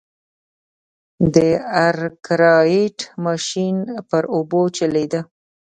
د ارکرایټ ماشین پر اوبو چلېده.